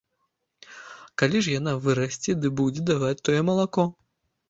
Калі ж яна вырасце ды будзе даваць тое малако!